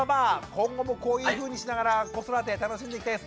今後もこういうふうにしながら子育て楽しんでいきたいですね。